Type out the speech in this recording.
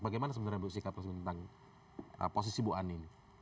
bagaimana sebenarnya bu sikap resmi tentang posisi bu ani ini